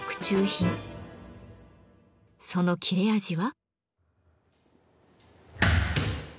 その切れ味は？